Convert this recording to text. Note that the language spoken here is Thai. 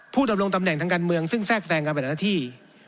๕ผู้ดำรงตำแหน่งทางการเมืองซึ่งแทรกแทรกการแบดหน้าที่